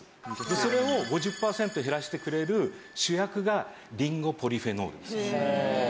それを５０パーセント減らしてくれる主役がリンゴポリフェノールです。